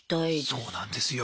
そうなんですよ。